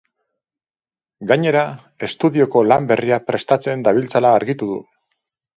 Gainera, estudioko lan berria prestatzen dabiltzala argitu du.